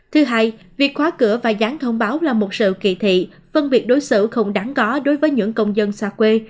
thứ hai việc khóa cửa và gián thông báo là một sự kỳ thị phân biệt đối xử không đáng có đối với những công dân xa quê